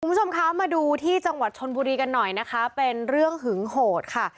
คุณผู้ชมคะมาดูที่จังหวัดชนบุรีกันหน่อยนะคะเป็นเรื่องหึงโหดค่ะ